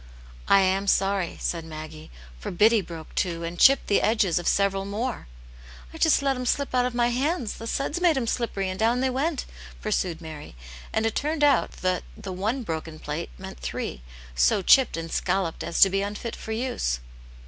"I am sorry," said Maggie. "For Biddy broke two, and chipped the edges of several more." " I just let 'em slip out of my hands : the suds made *em slippery, and down they went," pursued Mary, and it turned out the one broken plate meant three, so chipped and scolloped as to be unfit for use.